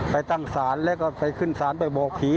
ไปตั้งศาลแล้วก็ไปขึ้นศาลไปบอกผี